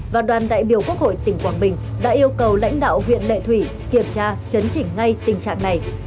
và đoàn đại biểu quốc hội tỉnh quảng bình đã yêu cầu lãnh đạo huyện lệ thủy kiểm tra chấn chỉnh ngay tình trạng này